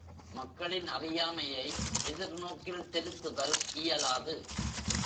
மக்களின் அறியாமையை எதிர் நோக்கில் திருத்துதல் இயலாது.